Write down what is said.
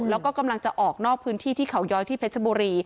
แล้วก็กำลังจะออกนอกพื้นที่ที่เขาย้อยที่เพชรบุรี